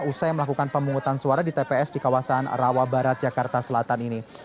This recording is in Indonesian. usai melakukan pemungutan suara di tps di kawasan rawa barat jakarta selatan ini